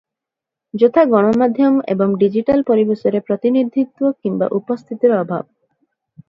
ଯଥା ଗଣମାଧ୍ୟମ ଏବଂ ଡିଜିଟାଲ ପରିବେଶରେ ପ୍ରତିନିଧିତ୍ୱ କିମ୍ବା ଉପସ୍ଥିତିର ଅଭାବ ।